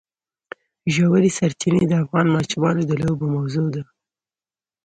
ژورې سرچینې د افغان ماشومانو د لوبو موضوع ده.